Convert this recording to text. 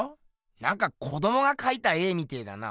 なんか子どもがかいた絵みてえだな。